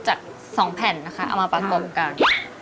จาก๒แผ่นนะคะเอามาประกบกัน